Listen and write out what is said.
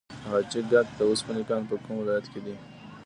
د حاجي ګک د وسپنې کان په کوم ولایت کې دی؟